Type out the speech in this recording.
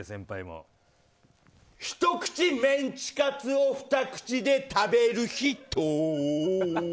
ひと口メンチカツをふた口で食べる人。